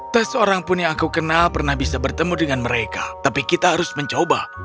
tak seorang pun yang aku kenal pernah bisa bertemu dengan mereka tapi kita harus mencoba